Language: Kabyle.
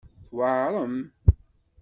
Tweɛrem.